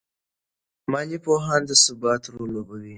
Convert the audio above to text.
مالي پوهان د ثبات رول لوبوي.